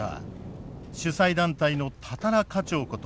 主催団体のたたら課長こと